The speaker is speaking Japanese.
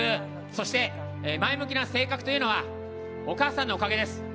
そして、前向きな性格というのはお母さんのおかげです。